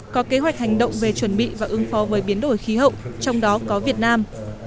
có kế hoạch hành động về chuẩn bị và ứng phó với biến đổi khí hậu trong đó có việt nam